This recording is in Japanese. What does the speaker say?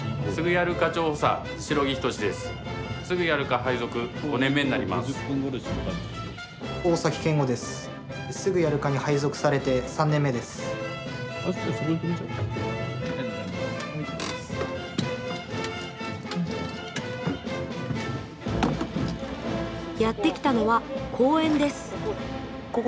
やって来たのは公園です。